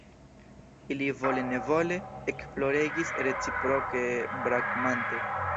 Ili vole nevole ekploregis reciproke brakumante.